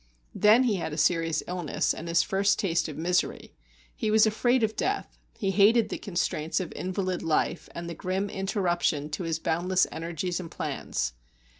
Then he had a serious illness, and his first taste of misery; he was afraid of death, he hated the constraints of invalid life and the grim interruption to his boundless energies and plans.